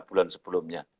tiga bulan sebelumnya